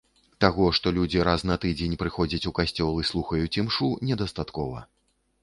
Таго, што людзі раз на тыдзень прыходзяць у касцёл і слухаюць імшу, недастаткова.